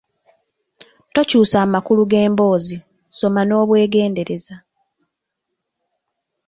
Tokyusa amakulu g’emboozi, soma n’obwegendereza.